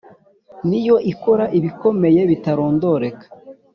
ni yo ikora ibikomeye bitarondoreka,